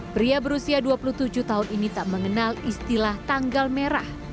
pria berusia dua puluh tujuh tahun ini tak mengenal istilah tanggal merah